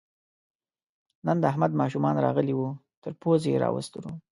نن د احمد ماشومان راغلي وو، تر پوزې یې راوستلو.